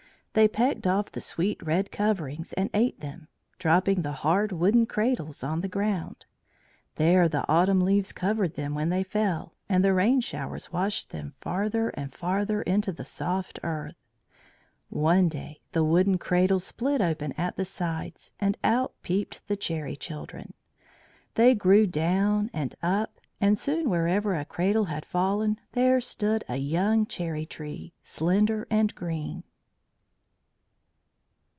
They pecked off the sweet red coverings and ate them, dropping the hard wooden cradles on the ground. There the autumn leaves covered them when they fell, and the rain showers washed them farther and farther into the soft earth. One day the wooden cradles split open at the sides, and out peeped the Cherry Children. They grew down and up, and soon wherever a cradle had fallen there stood a young cherry tree, slender and green.